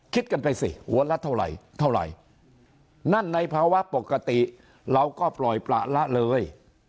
คิดกันไปสิหัวละเท่าไหร่เท่าไหร่นั่นในภาวะปกติเราก็ปล่อยประละเลย